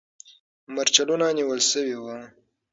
مرچلونه نیول سوي وو.